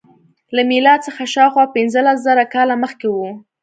له میلاد څخه شاوخوا پنځلس زره کاله مخکې و.